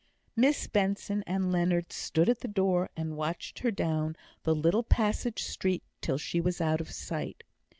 Miss Benson and Leonard stood at the door, and watched her down the little passage street till she was out of sight.